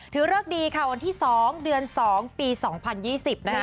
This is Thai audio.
เริกดีค่ะวันที่๒เดือน๒ปี๒๐๒๐นะคะ